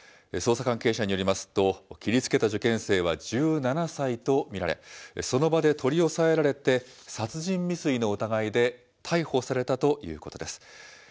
捜査関係者によりますと、切りつけた受験生は１７歳と見られ、その場で取り押さえられて、殺人未遂の疑いで逮捕されたということです。